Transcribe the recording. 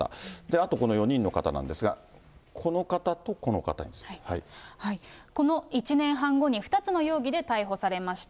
あとこの４人の方なんですが、この１年半後に、２つの容疑で逮捕されました。